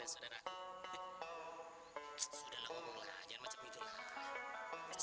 sudah lah ngomonglah jangan macam itu lah